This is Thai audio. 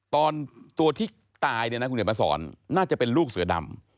ตอนตัวที่ตายคุณเหนียมมาสอนน่าจะเป็นลูกเสือดำ